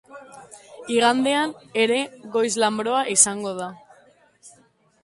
Igandean ere goiz-lanbroa izango da.